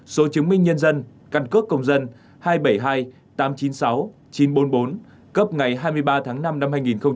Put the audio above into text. số chứng minh nhân dân căn cước công dân hai bảy hai tám chín sáu chín bốn bốn cấp ngày hai mươi ba tháng năm năm hai nghìn một mươi bảy